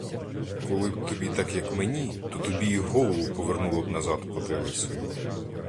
Коли б тобі так, як мені, то тобі і голову повернуло б назад потилицею.